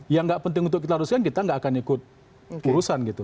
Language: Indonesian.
yang gak penting untuk kita luruskan kita nggak akan ikut urusan gitu